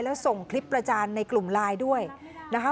แล้วส่งคลิปประจานในกลุ่มไลน์ด้วยนะคะ